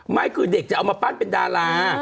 ไม่คือเด็กจะเอามาปั้นเป็นดารา